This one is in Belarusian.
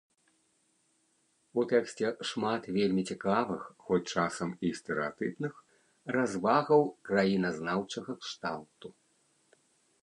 У тэксце шмат вельмі цікавых, хоць часам і стэрэатыпных, развагаў краіназнаўчага кшталту.